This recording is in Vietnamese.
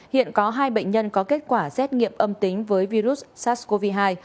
hiện có hai bệnh nhân có kết quả xét nghiệm âm tính với virus sars cov hai